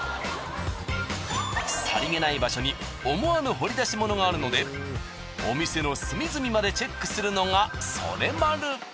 さりげない場所に思わぬ掘り出し物があるのでお店の隅々までチェックするのがソレマル。